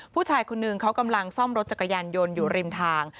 ผู้ชายคนนึงเขากำลังซ่อมรถจักรยานยนต์อยู่ริมทาง